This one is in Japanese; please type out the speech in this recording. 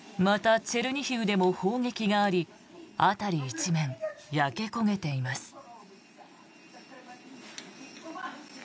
また、チェルニヒウでも砲撃があり辺り一面、焼け焦げています。